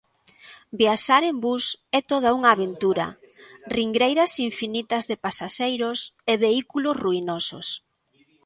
Viaxar en bus é toda unha aventura, ringreiras infinitas de pasaxeiros e vehículos ruinosos